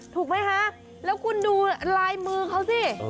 ถูกไหมคะแล้วคุณดูลายมือเขาสิ